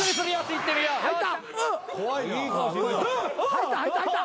入った入った入った。